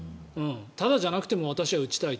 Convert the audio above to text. タダじゃなくても私は打ちたい。